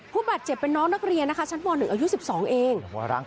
ผู้บาดเจ็บเป็นน้องนักเรียนนะคะชั้นม๑อายุ๑๒เอง